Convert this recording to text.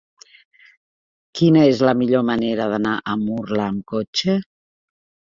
Quina és la millor manera d'anar a Murla amb cotxe?